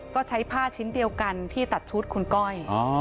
ก็ใช้ผ้าชิ้นเดียวกันที่ตัดชุดคุณก้อย